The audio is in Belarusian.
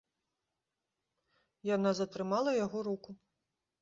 Яна затрымала яго руку.